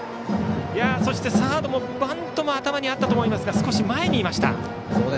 そして、サードもバントも頭にあったと思いますが少し前にいました。